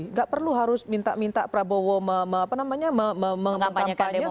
nggak perlu harus minta minta prabowo mengampanyakan demokrat